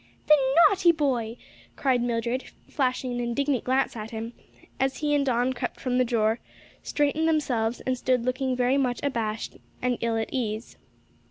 "The naughty boy!" cried Mildred, flashing an indignant glance at him as he and Don crept from the drawer, straightened themselves and stood up looking very much abashed and ill at ease.